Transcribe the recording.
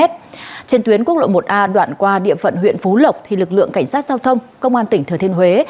trên tuyến quốc lộ một a đoạn qua địa phận huyện phú lộc thì lực lượng cảnh sát giao thông công an tỉnh thừa thiên huế